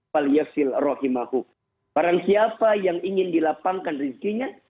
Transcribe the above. para siapa yang ingin dilapangkan rezekinya